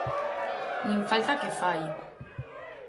Nin falta que fai.